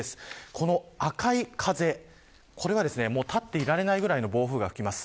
この赤い風、これは立っていられないくらいの暴風が吹きます。